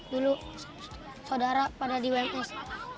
dulu saudara pada di websis